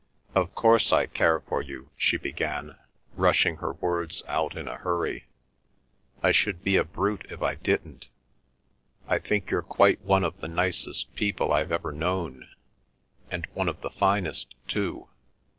"Of course I care for you," she began, rushing her words out in a hurry; "I should be a brute if I didn't. I think you're quite one of the nicest people I've ever known, and one of the finest too.